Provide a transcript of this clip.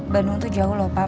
bandung tuh jauh lho pak